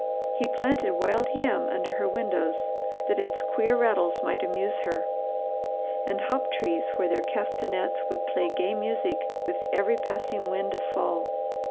He planted wild yam under her windows that its queer rattles might amuse her, and hop trees where their castanets would play gay music with every passing wind of fall.